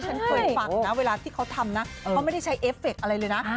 ฉันเคยฟังนะเวลาที่เขาทำนะเขาไม่ได้ใช้เอฟเฟคอะไรเลยนะ